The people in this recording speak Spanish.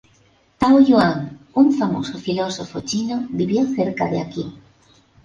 Tao Yuan, un famoso filósofo chino vivió cerca de aquí.